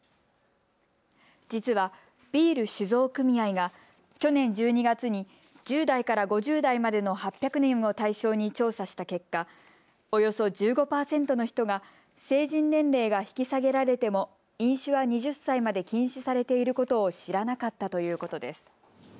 実はビール酒造組合が去年１２月に１０代から５０代までの８００人を対象に調査した結果、およそ１５％の人が成人年齢が引き下げられても飲酒は２０歳まで禁止されていることを知らなかったということです。